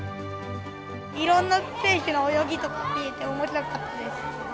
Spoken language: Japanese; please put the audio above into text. いろんな選手の泳ぎとか見れて、おもしろかったです。